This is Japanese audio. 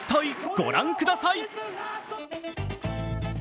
ご覧ください。